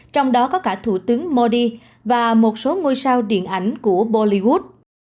trong đó có cả thủ tướng modi và một số ngôi sao điện ảnh của bolivod